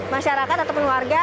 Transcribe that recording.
masyarakat atau penyeluarga